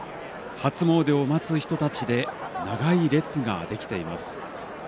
初詣を待つ人たちで長い列ができています。